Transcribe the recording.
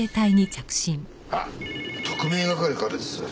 あっ特命係からです。